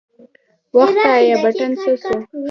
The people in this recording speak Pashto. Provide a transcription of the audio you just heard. اوه خدايه بټن څه سو.